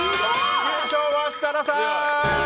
優勝は設楽さん！